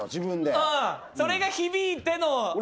うんそれが響いての。